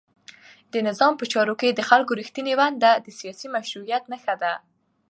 د نظام په چارو کې د خلکو رښتینې ونډه د سیاسي مشروعیت نښه ده.